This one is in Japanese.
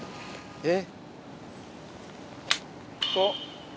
えっ。